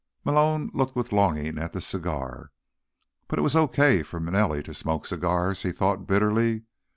Malone looked with longing at the cigar. But it was okay for Manelli to smoke cigars, he thought bitterly.